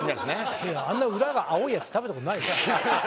いやあんな裏が青いやつ食べたことないですよ。